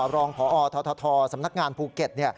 รองพอททสำนักงานภูเก็ต